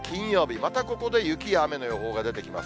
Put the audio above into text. またここで雪や雨の予報が出てきます。